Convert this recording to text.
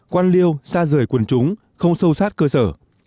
quan liêu xa rời quần chúng không sâu sát cơ sở